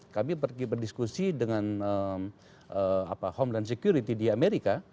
kami pergi berdiskusi dengan homeland security di amerika